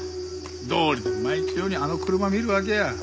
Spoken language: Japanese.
どうりで毎日のようにあの車見るわけや。